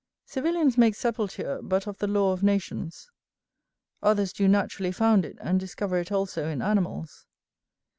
Civilians make sepulture but of the law of nations, others do naturally found it and discover it also in animals.